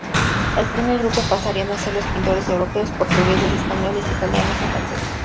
El primer grupo pasarían a ser los pintores europeos: portugueses, españoles, italianos y franceses.